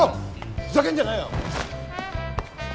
ふざけんじゃないよ！